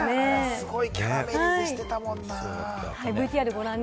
すごいキャラメリゼしていたもんなぁ。